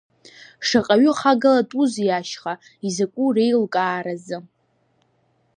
Шаҟаҩы хагалатәузеи ашьха, изакәу реилкаара азыҳәан.